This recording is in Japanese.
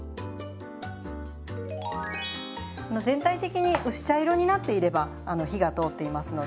全体的に薄茶色になっていればあの火が通っていますので。